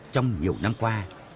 trong nhiều năm qua